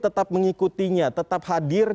tetap mengikutinya tetap hadir